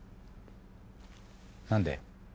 何で？